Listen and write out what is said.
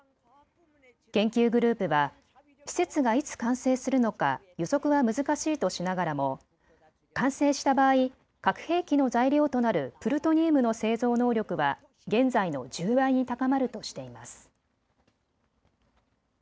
研究グループは施設がいつ完成するのか予測は難しいとしながらも完成した場合、核兵器の材料となるプルトニウムの製造能力は現在の１０倍に高まるとしています。